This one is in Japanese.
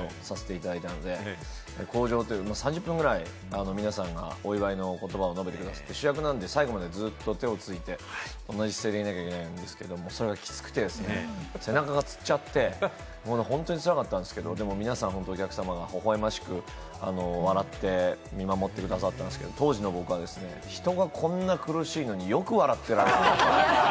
口上という父の襲名のときに、初舞台させていただいたので、口上という３０分くらい、皆さんがお祝いの言葉を述べてくださって、主役なので最後にまで手をついて、この姿勢でいなきゃいけないんですけれども、それがきつくて、背中がつっちゃって、それでも皆さん、お客様がほほえましく笑って見守ってくださったんですけれども、当時の僕は人がこんなに苦しいのによく笑ってられるなと。